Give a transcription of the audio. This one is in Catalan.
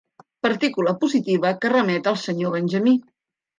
Partícula positiva que remet al senyor Benjamí.